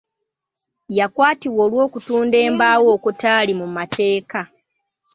Yakwatibwa olw'okutunda embaawo okutaali mu mateeka.